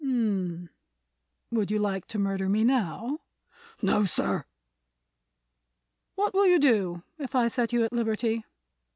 "M—m. Would you like to murder me now?" "No, sir!" "What will you do if I set you at liberty?"